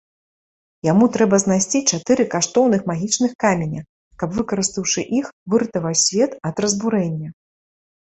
Яму трэба знайсці чатыры каштоўных магічных каменя, каб, выкарыстаўшы іх, выратаваць свет ад разбурэння.